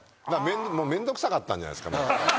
めんどくさかったんじゃないですか？